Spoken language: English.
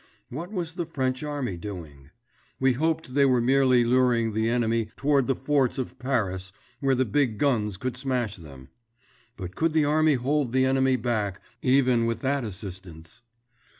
What was the French army doing? We hoped they were merely luring the enemy toward the forts of Paris where the big guns could smash them. But could the army hold the enemy back, even with that assistance?